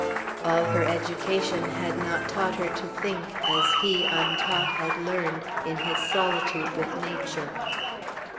All her education had not taught her to think, as he, untaught, had learned, in his solitude with nature.